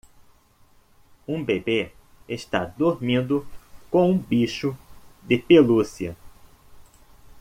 Um bebê está dormindo com um bicho de pelúcia.